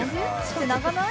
つながない？